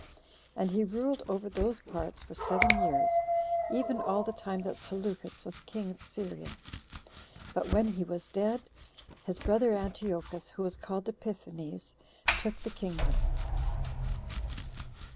And he ruled over those parts for seven years, even all the time that Seleucus was king of Syria. But when he was dead, his brother Antiochus, who was called Epiphanes, took the kingdom.